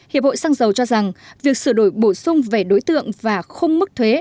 hiệp hội xăng dầu cho rằng việc sửa đổi bổ sung về đối tượng và khung mức thuế